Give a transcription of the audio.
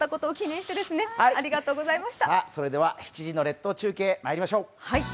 それでは、７時の列島中継、まいりましょう。